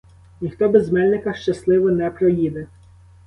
Ніхто без мельника щасливо не проїде.